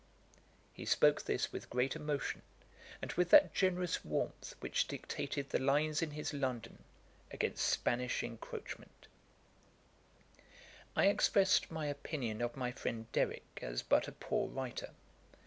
He spoke this with great emotion, and with that generous warmth which dictated the lines in his London, against Spanish encroachment. I expressed my opinion of my friend Derrick as but a poor writer.